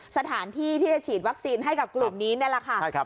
สถานที่ที่จะฉีดวัคซีนให้กับกลุ่มนี้นี่แหละค่ะ